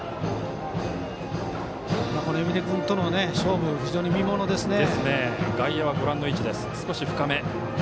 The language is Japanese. この海老根君との勝負非常に見ものですね。